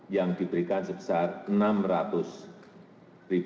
yang diberikan sebesar rp enam ratus